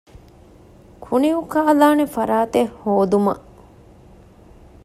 ކުނި އުކާލާނެ ފަރާތެއް ހޯދުމަށް